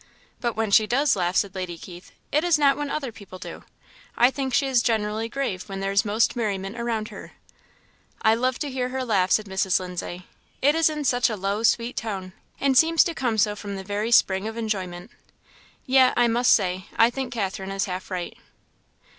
"But when she does laugh," said Lady Keith, "it is not when other people do. I think she is generally grave when there is most merriment around her." "I love to hear her laugh," said Mrs. Lindsay; "it is in such a low, sweet tone, and seems to come so from the very spring of enjoyment. Yet, I must say, I think Catherine is half right."